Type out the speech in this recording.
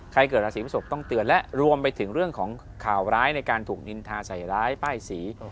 เกิดราศีพฤศพต้องเตือนและรวมไปถึงเรื่องของข่าวร้ายในการถูกนินทาใส่ร้ายป้ายสี